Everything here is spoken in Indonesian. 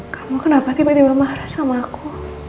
kamu kenapa tiba tiba marah sama aku